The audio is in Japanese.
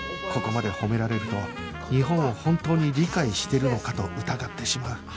ここまで褒められると日本を本当に理解してるのかと疑ってしまう